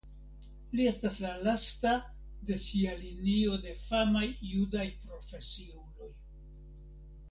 Li estas la lasta de sia linio de famaj judaj profesiuloj.